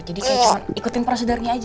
kayak cuma ikutin prosedurnya aja